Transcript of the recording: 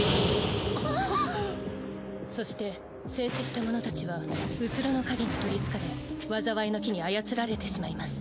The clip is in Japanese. そして静止した者たちは虚の影に取りつかれ災いの樹に操られてしまいます。